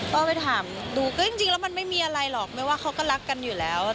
ก็ไปถามดูก็จริงแล้วมันไม่มีอะไรหรอกไม่ว่าเขาก็รักกันอยู่แล้ว